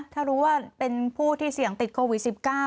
ถ้ารู้ว่าเป็นผู้ที่เสี่ยงติดโควิด๑๙